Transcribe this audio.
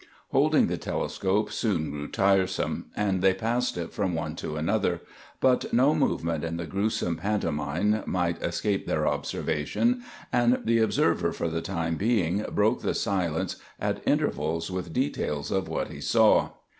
Holding the telescope soon grew tiresome, and they passed it from one to another, that no movement in the gruesome pantomime might escape their observation; and the observer for the time being broke the silence at intervals with details of what he saw.